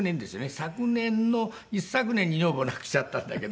昨年の一昨年に女房を亡くしちゃったんだけど。